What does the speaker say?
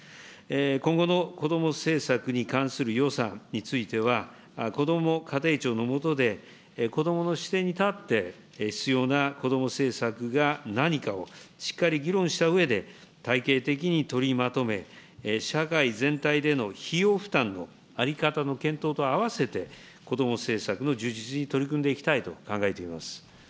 今後の子ども政策に関する予算については、こども家庭庁のもとで子どもの視点に立って、必要な子ども政策が何かをしっかり議論したうえで、体系的に取りまとめ、社会全体での費用負担の在り方の検討と合わせて、子ども政策の充実に取り組んでいきたいと考えています。